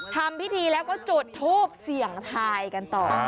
ทำพิธีแล้วก็จุดทูปเสี่ยงทายกันต่อ